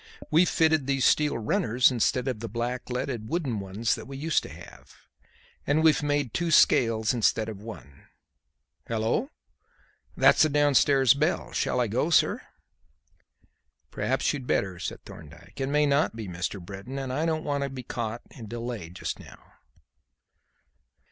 "We've fitted these steel runners instead of the blackleaded wooden ones that we used to have. And we've made two scales instead of one. Hallo! That's the downstairs bell. Shall I go sir?" "Perhaps you'd better," said Thorndyke. "It may not be Mr. Britton, and I don't want to be caught and delayed just now."